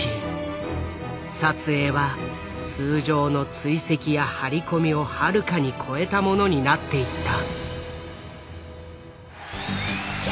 撮影は通常の追跡や張り込みをはるかに超えたものになっていった。